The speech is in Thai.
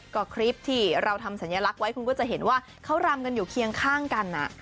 ก็คลิปที่เราทำสัญลักษณ์ไว้คุณก็จะเห็นว่าเขารำกันอยู่เคียงข้างกัน